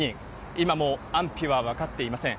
今も安否は分かっていません。